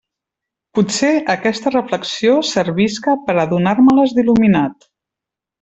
Potser aquesta reflexió servisca per a donar-me-les d'il·luminat.